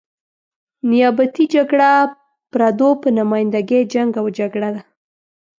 نیابتي جګړه پردو په نماینده ګي جنګ او جګړه ده.